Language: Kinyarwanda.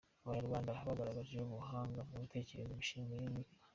Abanyarwanda bagaragaje ubuhanga mu gutekereza imishinga yunguka.